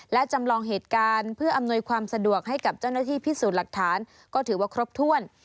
และจำลองเหตุการณ์เพื่ออำนวยความสะดวกให้กับเจ้าหน้าที่พิสูจน์หลักฐานก็ถือว่าครบถ้วน